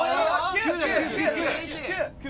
９９９！